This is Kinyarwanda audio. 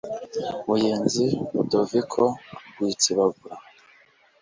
Buyenzi Ludoviko Rwitsibagura